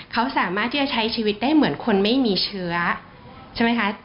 เขาสามารถที่จะใช้ชีวิตได้เหมือนคนไม่มีเชื้อใช่ไหมคะ